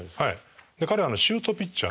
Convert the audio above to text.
彼はシュートピッチャー。